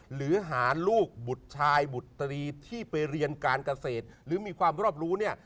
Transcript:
หรือหาลูกบุตรชายบุตรีที่ไปเรียนการเกษตรหรือมีความรอบรู้เนี่ย